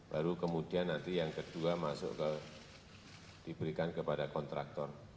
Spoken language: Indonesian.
baru kemudian nanti yang kedua masuk ke diberikan kepada kontraktor